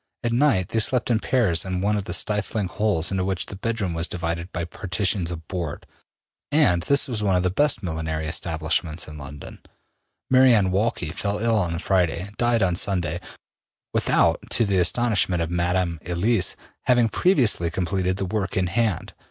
At night, they slept in pairs in one of the stifling holes into which the bedroom was divided by partitions of board. And this was one of the best millinery establishments in London. Mary Anne Walkley fell ill on the Friday, died on Sunday, without, to the astonishment of Madame Elise, having previously completed the work in hand.